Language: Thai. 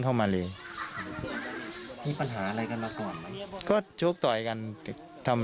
ค่ะ